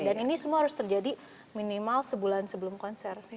dan ini semua harus terjadi minimal sebulan sebelum konser